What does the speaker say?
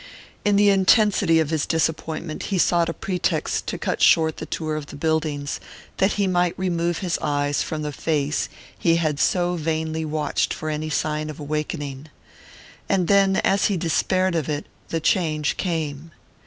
In the intensity of his disappointment he sought a pretext to cut short the tour of the buildings, that he might remove his eyes from the face he had so vainly watched for any sign of awakening. And then, as he despaired of it, the change came.